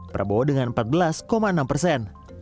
prabowo dengan empat belas enam persen